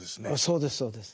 そうですそうです。